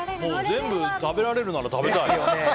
全部食べられるなら食べたい！